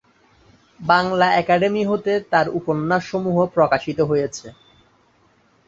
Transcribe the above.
Bangla academy হতে তার উপন্যাস সমূহ প্রকাশিত হয়েছে।